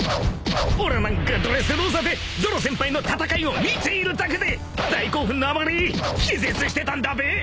［俺なんかドレスローザでゾロ先輩の戦いを見ているだけで大興奮のあまり気絶してたんだべ］